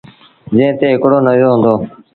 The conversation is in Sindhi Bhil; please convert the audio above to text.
جݩهݩ تي هڪڙو نيزو هُݩدو۔